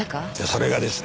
それがですね